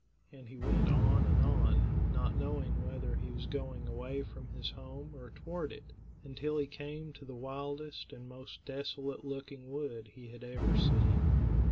And he went on and on, not knowing whether he was going away from his home or toward it, until he came to the wildest and most desolate looking wood he had ever seen.